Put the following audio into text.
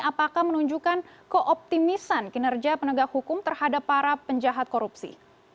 apakah menunjukkan keoptimisan kinerja penegak hukum terhadap para penjahat korupsi